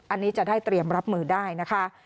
อันนี้จะได้เตรียมรับมือได้นะคะ